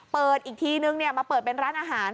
เปิดอีกทีนึงมาเปิดเป็นร้านอาหาร